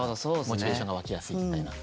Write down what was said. モチベーションが湧きやすいみたいな。